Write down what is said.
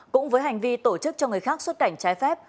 cũng với hành vi tổ chức cho người khác xuất cảnh trái phép